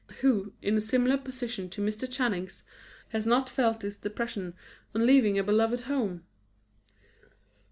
Who, in a similar position to Mr. Channing's, has not felt this depression on leaving a beloved home?